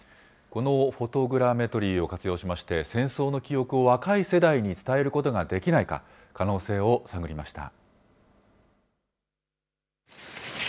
このフォトグラメトリーを活用しまして、戦争の記憶を若い世代に伝えることができないか、可能性を探りました。